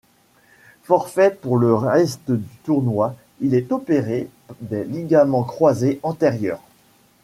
Forfait pour le reste du tournoi, il est opéré des ligaments croisés antérieurs.